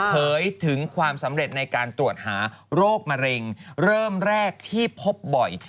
เผยถึงความสำเร็จในการตรวจหาโรคมะเร็งเริ่มแรกที่พบบ่อย